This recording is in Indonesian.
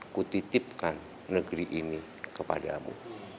kutitipkan negeri ini kepadamu